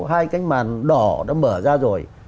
hai cánh màn đỏ đã mở ra rồi